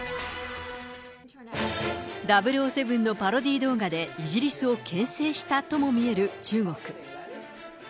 ００７のパロディー動画で、イギリスをけん制したとも見える中国。